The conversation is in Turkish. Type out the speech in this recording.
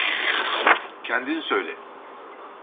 Kendin söyle.